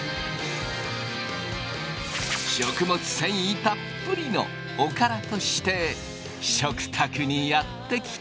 食物繊維たっぷりのおからとして食卓にやって来た！